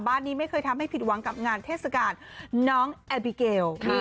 บ้านนี้ไม่เคยทำให้ผิดหวังกับงานเทศกาลน้องแอบิเกล